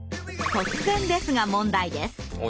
突然ですが問題です。